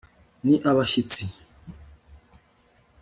ni abashyitsi